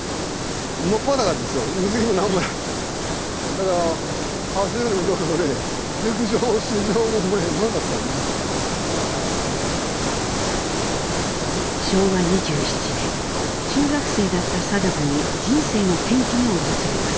だから走るのもね昭和２７年中学生だった禎穗に人生の転機が訪れます。